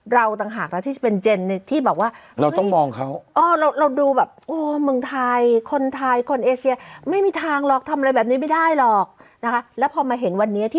เราก็คิดว่าช่วงเวลานี้แก่ไปเด็กไป